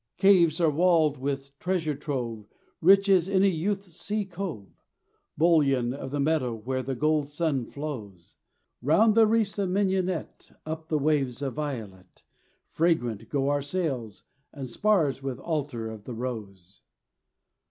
Caves are walled with treasure trove, rich as any south sea cove, Bullion of the meadow where the gold sun flows; Round the reefs of mignonette, up the waves of violet, Fragrant go our sails and spars with attar of the rose.